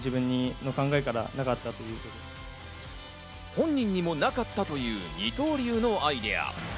本人にもなかったという二刀流のアイデア。